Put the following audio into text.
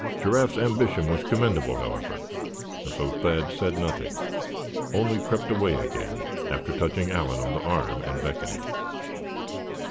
Giraffe's ambition was commendable, however, and so Thad said nothing; only crept away again, after touching Allan on the arm, and beckoning.